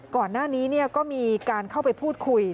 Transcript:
ก่อนหน้านี้ก็มีการเข้าไปพูดคุย